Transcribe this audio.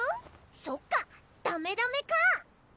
そっかダメダメかあ！